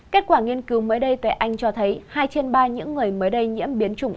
kết quả nghiên cứu mới đây tại anh cho thấy hai trên ba những người mới đây nhiễm biến chủng